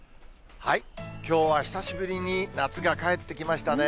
きょうは久しぶりに夏が帰ってきましたね。